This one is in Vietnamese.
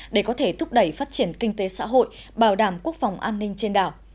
để có thể thúc đẩy phát triển kinh tế xã hội bảo đảm quốc phòng an ninh trên đảo